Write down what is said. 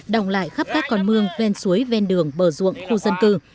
đồng lại khắp các con mương ven suối ven đường bờ ruộng khu dân cư